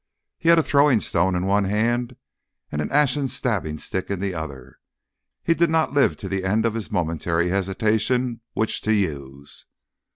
He had a throwing stone in one hand and an ashen stabbing stick in the other. He did not live to the end of his momentary hesitation which to use.